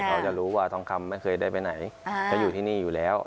เขาจะรู้ว่าทองคำไม่เคยได้ไปไหนก็อยู่ที่นี่อยู่แล้ว